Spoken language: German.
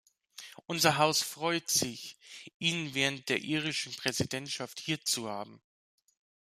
Unser Haus freut sich, ihn während der irischen Präsidentschaft hier zu haben.